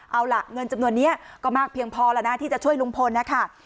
เอาล่ะเงินจำนวนนี้ก็มากเพียงพอแล้วนะที่จะช่วยลุงพลนะคะ